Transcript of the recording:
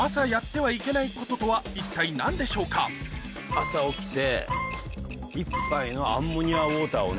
朝起きて。